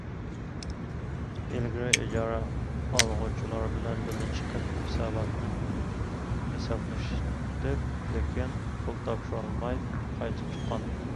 ئىلگىرى ئىجارە ئالغۇچىلار بىلەن بىللە چىقىپ ھېساباتنى ھېسابلىتىپ لېكىن پۇل تاپشۇرالماي قايتىپ چىققان.